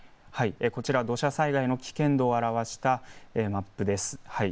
土砂災害の危険度を表したマップです。